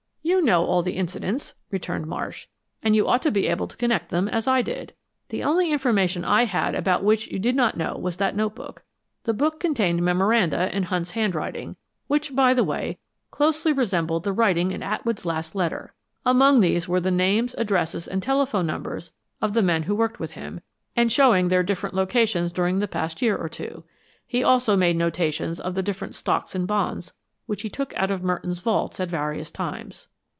"You know all the incidents," returned Marsh, "and you ought to be able to connect them as I did. The only information I had about which you did not know was that notebook. The book contained memoranda in Hunt's handwriting, which, by the way, closely resembled the writing in Atwood's last letter. Among these were the names, addresses and telephone numbers of the men who worked with him, and showing their different locations during the past year or two. He also made notations of the different stocks and bonds which he took out of Merton's vaults at various times."